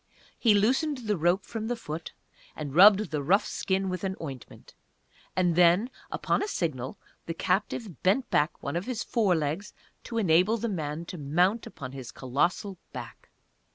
He loosened the rope from the foot, and rubbed the rough skin with an ointment, and then, upon a signal, the captive bent back one of his fore legs to enable the man to mount upon his colossal back.